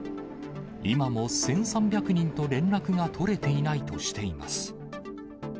今も１３００人と連絡が取れていないとしています。